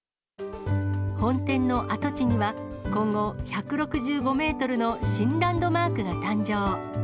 本店の跡地には、今後、１６５メートルの新ランドマークが誕生。